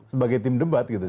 sebagai tim debat gitu